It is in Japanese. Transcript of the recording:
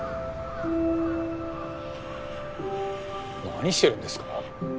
何してるんですか？